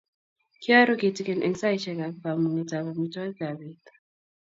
Kiaru kitikin eng saishek ab kamunget ab amitwokik ab beet